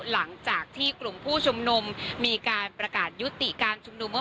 หลังจากที่กลุ่มผู้ชุมนุมมีการประกาศยุติการชุมนุมว่า